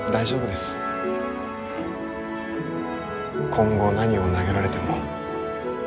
今後何を投げられても。